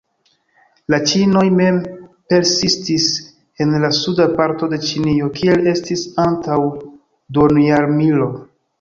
La ĉinoj mem persistis en la suda parto de Ĉinio, kiel estis antaŭ duonjarmilo.